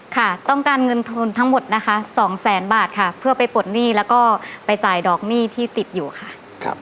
ค่ะต้องการเงินทุนทั้งหมดนะคะสองแสนบาทค่ะเพื่อไปปลดหนี้แล้วก็ไปจ่ายดอกหนี้ที่ติดอยู่ค่ะ